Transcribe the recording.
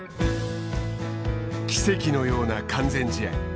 奇跡のような完全試合。